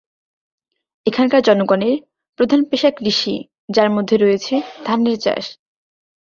এখানকার জনগণের প্রধান পেশা কৃষি, যার মধ্যে রয়েছে ধানের চাষ।